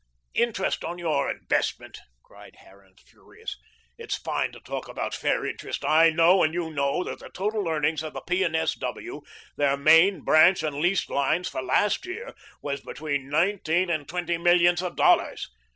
"Interest on your investment!" cried Harran, furious. "It's fine to talk about fair interest. I know and you know that the total earnings of the P. and S. W. their main, branch and leased lines for last year was between nineteen and twenty millions of dollars.